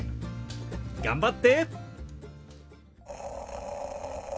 頑張って！